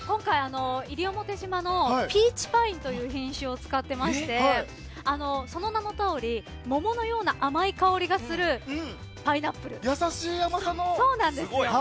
西表島のピーチパインという品種を使っていましてその名のとおり桃のような甘い香りがする優しい甘さの。